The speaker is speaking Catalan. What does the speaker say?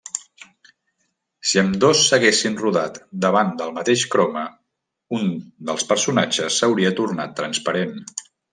Si ambdós s'haguessin rodat davant del mateix croma, un dels personatges s'hauria tornat transparent.